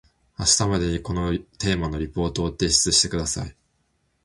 明日までにこのテーマのリポートを提出してください